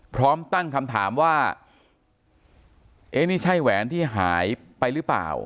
พร้อมตั้งคำถามว่าเอ๊ะนี่ใช่แหวนที่หายไปหรือเปล่า